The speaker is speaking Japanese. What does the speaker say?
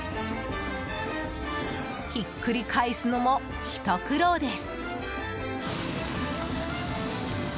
ひっくり返すのもひと苦労です。